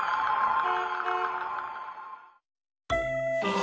あ。